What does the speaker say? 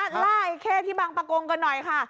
ไล่ล่าไอ้เข้ที่บางประกงกันหน่อยค่ะ